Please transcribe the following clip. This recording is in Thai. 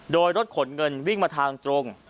โดยรถขนเงินวิ่งมาทางตรง